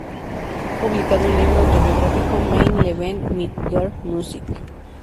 Ha publicado un libro autobiográfico "Mein Leben mit der Musik".